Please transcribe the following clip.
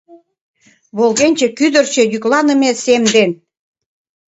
Волгенче, кӱдырчӧ йӱкланыме сем ден